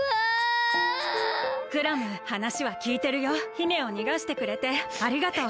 姫をにがしてくれてありがとう。